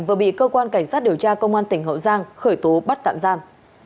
vừa bị cơ quan cảnh sát điều tra công an tp hcm khởi tố bắt tạm giam